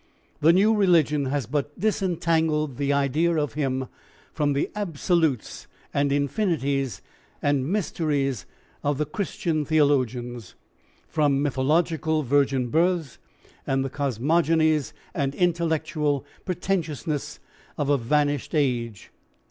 The new religion has but disentangled the idea of him from the absolutes and infinities and mysteries of the Christian theologians; from mythological virgin births and the cosmogonies and intellectual pretentiousness of a vanished age.